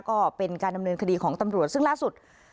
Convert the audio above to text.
ก็เป็นการดำเนินคดีของตำรวจซึ่งล่าสุด